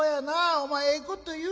お前ええこと言うがな。